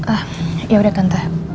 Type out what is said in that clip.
ah ya udah tante